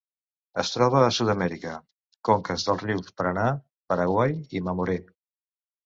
Es troba a Sud-amèrica: conques dels rius Paranà, Paraguai i Mamoré.